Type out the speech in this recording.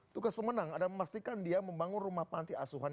tugas pemenang adalah memastikan dia membangun rumah panti asuhan